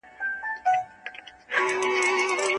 څنګه دوی د بهرنۍ پانګوني جلبولو هڅه کوي؟